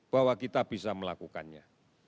bahwa kita bisa melakukannya